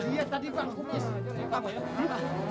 lihat tadi pak komis